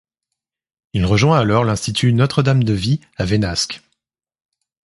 Il rejoint alors l'Institut Notre-Dame de Vie à Vénasque.